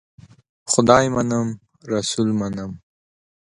خدای منم ، رسول منم .